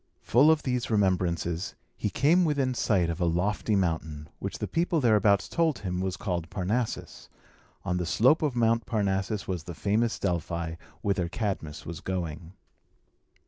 Full of these remembrances, he came within sight of a lofty mountain, which the people thereabouts told him was called Parnassus. On the slope of Mount Parnassus was the famous Delphi, whither Cadmus was going.